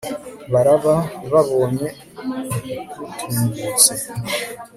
baraba babonye k'utungutse